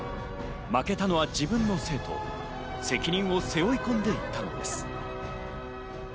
負けたのは自分のせいと責任を背負い込んでいたのです。